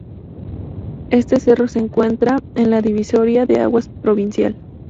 Este cerro se encuentra en la divisoria de aguas provincial.